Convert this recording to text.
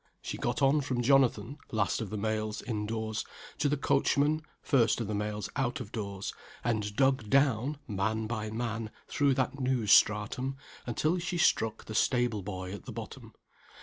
She got on from Jonathan (last of the males, indoors) to the coachman (first of the males, out of doors), and dug down, man by man, through that new stratum, until she struck the stable boy at the bottom.